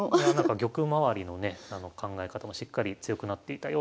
玉周りのね考え方もしっかり強くなっていたように思います。